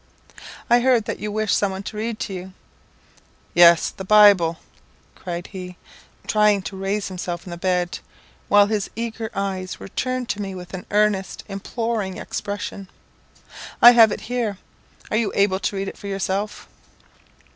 "I heard that you wished some one to read to you." "Yes, the Bible!" he cried, trying to raise himself in the bed, while his eager eyes were turned to me with an earnest, imploring expression. "I have it here. Are you able to read it for yourself?"